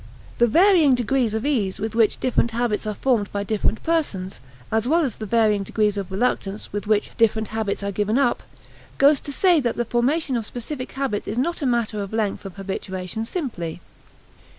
The varying degrees of ease with which different habits are formed by different persons, as well as the varying degrees of reluctance with which different habits are given up, goes to say that the formation of specific habits is not a matter of length of habituation simply.